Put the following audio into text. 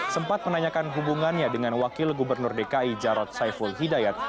sempat menanyakan hubungannya dengan wakil gubernur dki jarod saiful hidayat